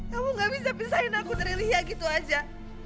kamu gak bisa pisahin aku dari lia gitu aja